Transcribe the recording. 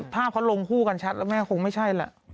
ภาพเขาลงคู่กันชัดแล้วแม่คงไม่ใช่แหละ